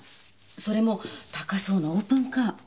それも高そうなオープンカー。